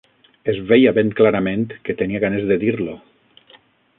Es veia ben clarament que tenia ganes de dir-lo